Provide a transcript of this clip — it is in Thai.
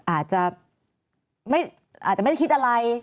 อาจจะไม่ได้คิดอะไร